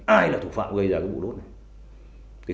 ai là thủ phạm gây ra cái bộ đốt này